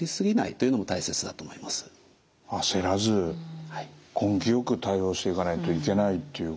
焦らず根気よく対応していかないといけないっていうことで。